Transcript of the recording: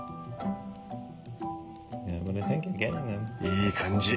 いい感じ。